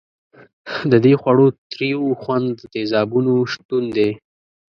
د دې خوړو تریو خوند د تیزابونو شتون دی.